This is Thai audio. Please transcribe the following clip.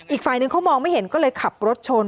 อีกฝ่ายนึงเขามองไม่เห็นก็เลยขับรถชน